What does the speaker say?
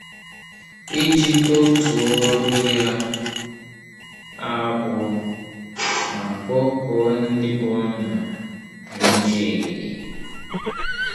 iji dọtuoro ya ágwụ ma kpọkuo ndị mbụ na ndị ègèdè